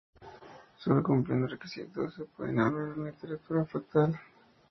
Sólo cumpliendo estos requisitos se puede hablar de una literatura fractal.